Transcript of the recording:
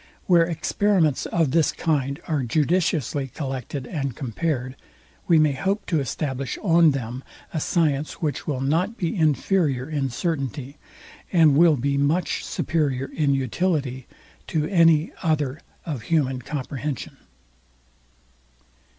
Where experiments of this kind are judiciously collected and compared, we may hope to establish on them a science which will not be inferior in certainty, and will be much superior in utility to any other of human comprehension.